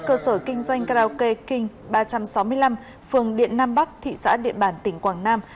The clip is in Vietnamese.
cơ sở kinh doanh karaoke king ba trăm sáu mươi năm phường điện nam bắc thị xã điện bản tỉnh quảng nam